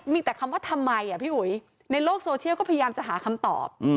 มีแต่คำว่าทำไมพี่อุ๋ยในโลกโซเชียลก็พยายามจะหาคำตอบ